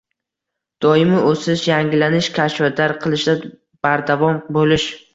Doimiy o‘sish, yangilanish, kashfiyotlar qilishda bardavom bo‘lish